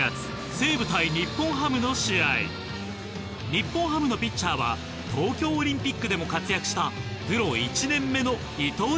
日本ハムのピッチャーは東京オリンピックでも活躍した。